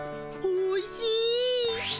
おいしい。